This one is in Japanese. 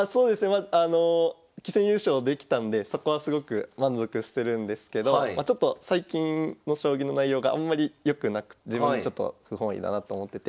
あの棋戦優勝できたんでそこはすごく満足してるんですけどちょっと最近の将棋の内容があんまり良くなく自分でちょっと不本意だなと思ってて。